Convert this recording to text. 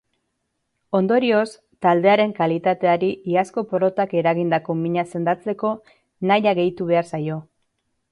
Ondorioz, taldearen kalitateari iazko porrotak eragindako mina sendatzeko nahia gehitu behar zaio.